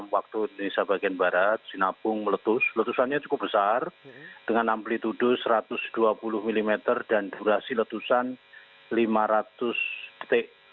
lima belas tiga puluh enam waktu di sabagen barat sinabung meletus letusannya cukup besar dengan amplitude satu ratus dua puluh mm dan durasi letusan lima ratus detik